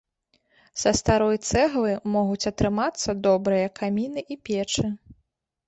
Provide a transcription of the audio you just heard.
Са старой цэглы могуць атрымацца добрыя каміны і печы.